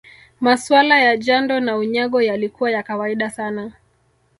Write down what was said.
Masuala ya jando na Unyago yalikuwa ya kawaida sana